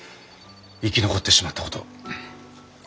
生き残ってしまったことを。